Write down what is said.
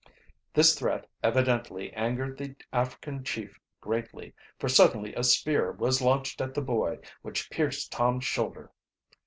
This threat evidently angered the African chief greatly, for suddenly a spear was launched at the boy, which pierced Tom's shoulder.